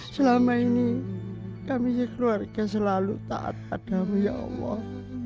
selama ini kami keluarga selalu tak ada padamu ya allah